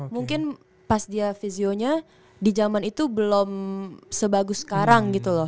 mungkin pas dia visionya di zaman itu belum sebagus sekarang gitu loh